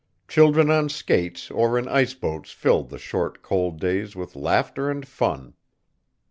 Children on skates or in ice boats filled the short, cold days with laughter and fun.